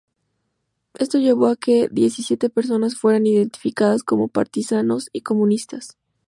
Esto llevó a que diecisiete personas fueran identificadas como "partisanos" y "comunistas".